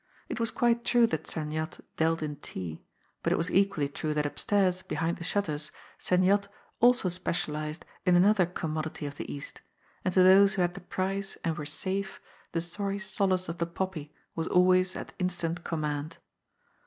It was quite true that Sen Yat dealt in tea; but it was equally true that upstairs behind the shutters Sen Yat also specialised in another commodity of the East, and to those who had the price and were "safe" the sorry solace of the poppy was always at instant command.